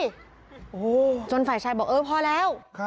โอ้โหจนฝ่ายชายบอกเออพอแล้ว